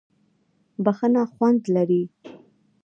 بښنه خوند لري.